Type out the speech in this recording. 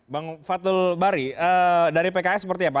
bang fatul bari dari pks seperti apa